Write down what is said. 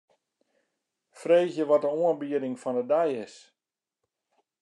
Freegje wat de oanbieding fan 'e dei is.